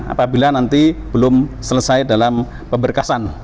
apabila nanti belum selesai dalam pemberkasan